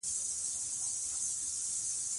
اوږده غرونه د افغانستان د طبیعي زیرمو برخه ده.